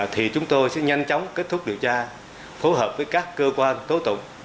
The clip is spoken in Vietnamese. thì chúng tôi sẽ nhanh chóng kết thúc điều tra phối hợp với các cơ quan tố tụng